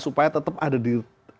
supaya tetap ada di